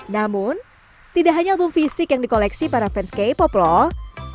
namun tidak hanya album fisik yang di koleksi para fans k pop loh